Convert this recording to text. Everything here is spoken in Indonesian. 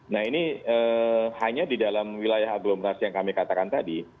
nah ini hanya di dalam wilayah aglomerasi yang kami katakan tadi